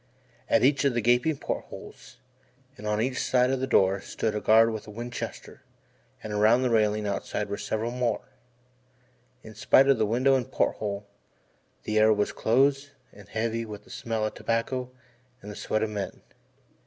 At each of the gaping port holes, and on each side of the door, stood a guard with a Winchester, and around the railing outside were several more. In spite of window and port hole the air was close and heavy with the smell of tobacco and the sweat of men.